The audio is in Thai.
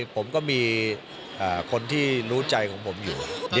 ผมก็มีคนที่รู้ใจของผมอยู่